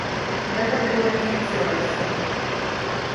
Я тады была яшчэ цэлай асобай.